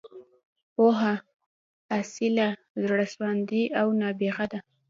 پوهه، اصیله، زړه سواندې او نابغه ده.